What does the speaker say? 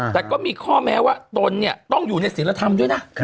แต่ก็มีข้อแม้ว่าตนเนี่ยต้องอยู่ในศิลธรรมด้วยนะ